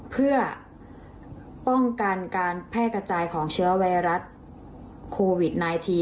เพื่อป้องกันการแพร่กระจายของเชื้อไวรัสโควิด๑๙